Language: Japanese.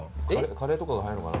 カレーとかが早いのかな？